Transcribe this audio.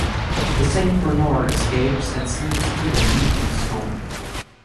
The Saint Bernard escapes and sneaks into the Newton's home.